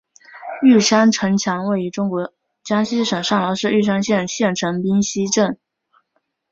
玉山城墙位于中国江西省上饶市玉山县县城冰溪镇。